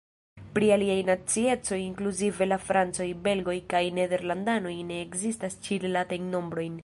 Pri aliaj naciecoj inkluzive la francoj, belgoj kaj nederlandanoj ne ekzistas ĉi-rilatajn nombrojn.